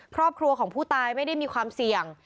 ครอบครัวของผู้ตายไม่ได้มีความเสี่ยง